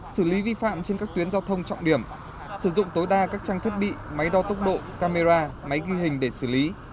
xử lý vi phạm trên các tuyến giao thông trọng điểm sử dụng tối đa các trang thiết bị máy đo tốc độ camera máy ghi hình để xử lý